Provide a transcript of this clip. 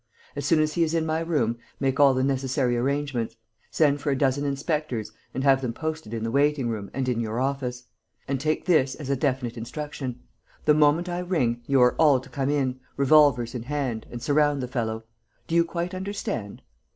As soon as he is in my room, make all the necessary arrangements: send for a dozen inspectors and have them posted in the waiting room and in your office. And take this as a definite instruction: the moment I ring, you are all to come in, revolvers in hand, and surround the fellow. Do you quite understand?"